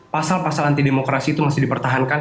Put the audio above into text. pasal pasal anti demokrasi itu masih dipertahankan